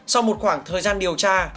sau một khoảng thời gian điều tra